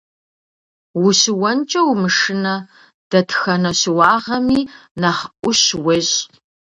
Ущыуэнкӏэ умышынэ, дэтхэнэ щыуагъэми нэхъ ӏущ уещӏ.